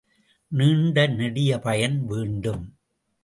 நீண்ட நெடிய பயன் வேண்டும்.